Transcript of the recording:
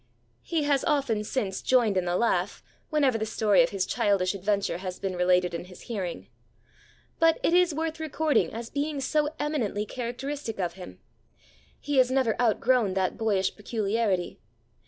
He has often since joined in the laugh, whenever the story of his childish adventure has been related in his hearing. But it is worth recording as being so eminently characteristic of him. He has never outgrown that boyish peculiarity.